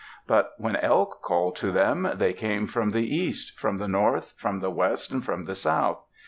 But when Elk called to them, they came from the east, from the north, from the west, and from the south.